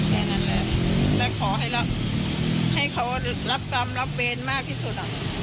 แค่นั้นแหละและขอให้เขารับกรรมรับเวรมากที่สุด